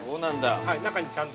中にちゃんと。